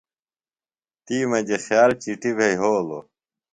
تی مجی خیال چِٹی بھے یھولو۔